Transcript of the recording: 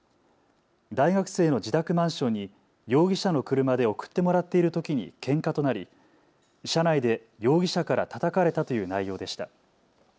大学生の自宅マンションに容疑者の車で送ってもらっているときにけんかとなり車内で容疑者からたたかれたという内容でした。